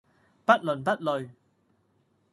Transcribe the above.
不倫不類